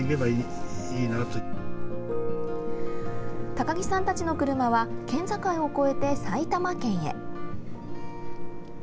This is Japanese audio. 高木さんたちの車は県境を越えて埼玉県へ。